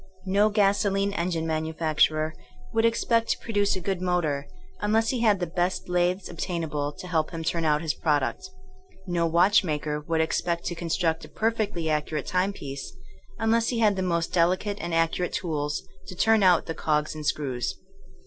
No gasolene engine manufac turer would expect to produce a good motor un less he had the best lathes obtainable to help him turn out his product No watchmaker would expect to construct a perfectly accurate timepiece unless he had the most delicate and accurate tools to turn out the cogs and screws.